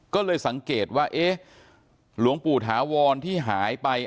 ก็เลยสังเกตว่าเอ๊ะหลวงปู่ถาวรที่หายไป